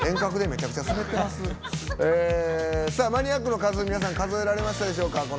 「ＭＡＮＩＡＣ」の数皆さん数えられましたでしょうか。